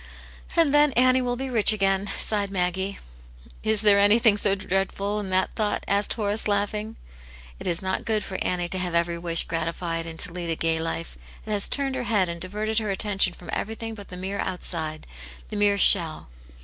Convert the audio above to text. "And then Annie will be rich again," sighed Maggie. " Is there anything so dreadful in that thought ?" asked Horace, laughing. " It is not good for Annie to have every wish grati fied, and to lead a gay life. It has turned her head and diverted her attention from everything but the mere outside, the mere shell."